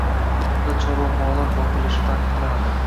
Unda chorva mollar boqilishi taqiqlanadi.